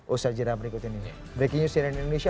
usaha jera berikut ini breaking news siren indonesia